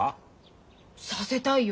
させたいよ。